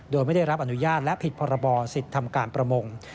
โดยไม่ได้รับอนุญาตและผิดพรบสิทธิ์ทำการประมง